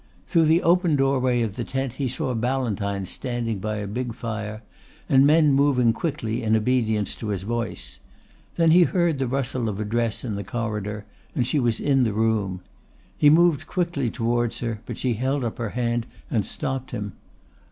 Through the open doorway of the tent he saw Ballantyne standing by a big fire and men moving quickly in obedience to his voice. Then he heard the rustle of a dress in the corridor, and she was in the room. He moved quickly towards her, but she held up her hand and stopped him.